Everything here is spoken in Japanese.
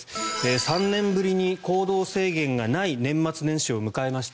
３年ぶりに行動制限がない年末年始を迎えました。